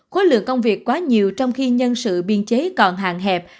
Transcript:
khối lượng công việc quá nhiều trong khi nhân sự biên chế còn hàng hẹp